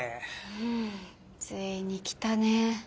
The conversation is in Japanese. うんついにきたね。